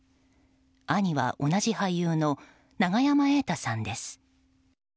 兄は、同じ俳優の永山瑛太さんです。